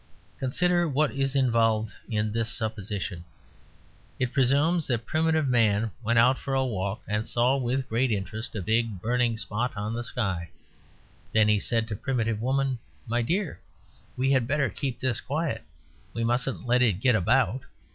Consider what is involved in this supposition. It presumes that primitive man went out for a walk and saw with great interest a big burning spot on the sky. He then said to primitive woman, "My dear, we had better keep this quiet. We mustn't let it get about.